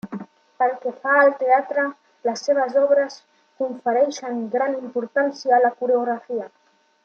Pel que fa al teatre, les seves obres confereixen gran importància a la coreografia.